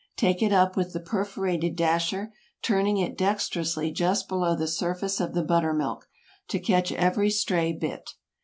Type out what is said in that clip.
Take it up with the perforated dasher, turning it dexterously just below the surface of the butter milk, to catch every stray bit.